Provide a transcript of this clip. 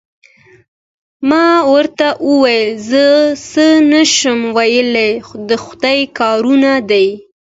ما ورته وویل: زه څه نه شم ویلای، د خدای کارونه دي.